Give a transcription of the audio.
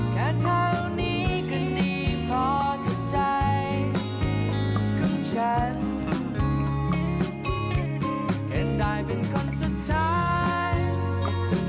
แค่เท่านี้ก็เป็นความสุขมากมายเกินกว่าฟัง